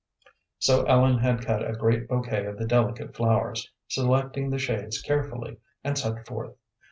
So Ellen had cut a great bouquet of the delicate flowers, selecting the shades carefully, and set forth.